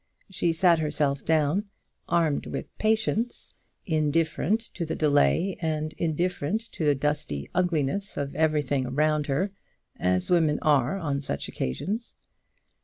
She sat herself down, armed with patience, indifferent to the delay and indifferent to the dusty ugliness of everything around her, as women are on such occasions.